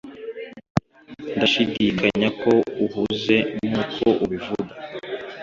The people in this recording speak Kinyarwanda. Ndashidikanya ko uhuze nkuko ubivuga